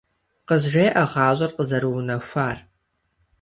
КъызжеӀэ гъащӀэр къызэрыунэхуар!